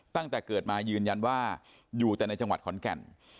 ตั้งแต่เกิดมายืนยันว่าอยู่แต่ในจังหวัดขอนแก่น